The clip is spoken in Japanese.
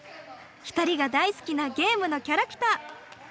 ２人が大好きなゲームのキャラクター。